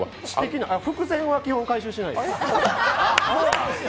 伏線は基本回収してないです。